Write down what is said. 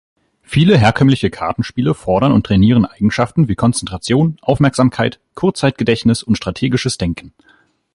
Viele herkömmliche Kartenspiele fordern und trainieren Eigenschaften wie Konzentration, Aufmerksamkeit, Kurzzeitgedächtnis und strategisches Denken.